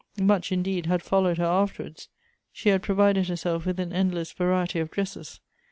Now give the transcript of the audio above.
Much, indeed, had followed her afterwards. She had provided herself with an endless variety of dresses.